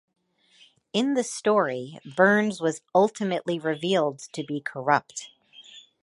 In the story Burns was ultimately revealed to be corrupt.